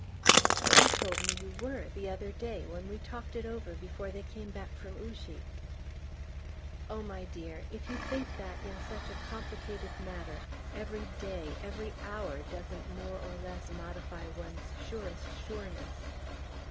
"But you told me you were, the other day, when we talked it over before they came back from Ouchy." "Oh, my dear if you think that, in such a complicated matter, every day, every hour, doesn't more or less modify one's surest sureness!"